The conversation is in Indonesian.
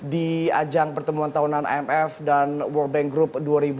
di ajang pertemuan tahunan imf dan world bank group dua ribu dua puluh